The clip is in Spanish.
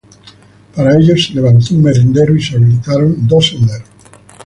Para ello se levantó un merendero y se habilitaron dos senderos.